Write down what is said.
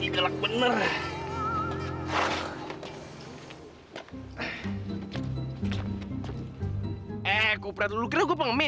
singkat cepat dah kesung itu